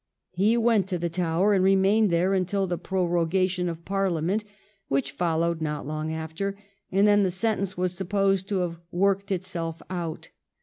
He went to the Tower, and remained there until the prorogation of Parliament, which followed not long after, and then the sentence was supposed to have worked itself out.